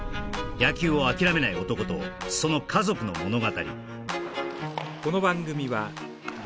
野球を諦めない男とその家族の物語